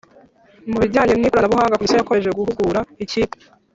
Mu bijyanye n ikoranabuhanga Komisiyo yakomeje guhugura ikipe